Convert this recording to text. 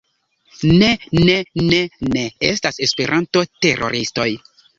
Ne, ne, ne, ne estas Esperanto-teroristoj